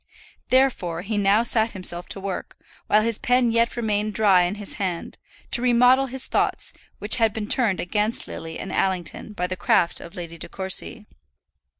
Therefore he now sat himself to work, while his pen yet remained dry in his hand, to remodel his thoughts, which had been turned against Lily and Allington by the craft of Lady De Courcy.